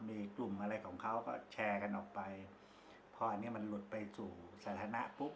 มีกลุ่มอะไรของเขาก็แชร์กันออกไปพออันนี้มันหลุดไปสู่สถานะปุ๊บ